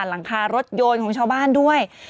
หลังคารถโยนของชาวบ้านด้วย